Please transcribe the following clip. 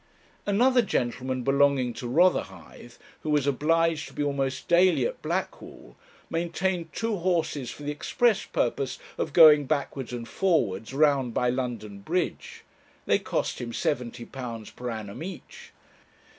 Another gentleman belonging to Rotherhithe, who was obliged to be almost daily at Blackwall, maintained two horses for the express purpose of going backwards and forwards, round by London Bridge. They cost him £70 per annum each.